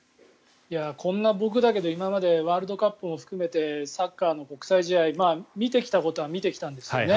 こんな僕だけど今までワールドカップ含めてサッカーの国際試合見てきたことは見てきたんですけどね。